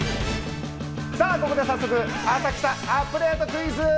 さあ、ここで早速、浅草アップデートクイズ！